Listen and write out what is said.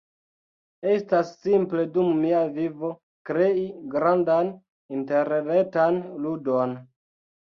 estas simple dum mia vivo krei grandan interretan ludon